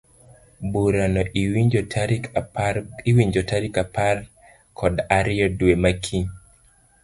Burano iwinjo tarik apar kod ariyo dwe makiny.